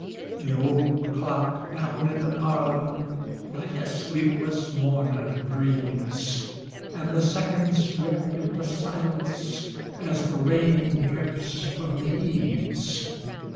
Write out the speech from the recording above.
The old clock down in the parlor Like a sleepless mourner grieves, And the seconds drip in the silence As the rain drips from the eaves.